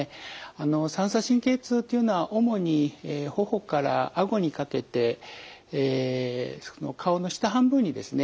あの三叉神経痛というのは主に頬からあごにかけて顔の下半分にですね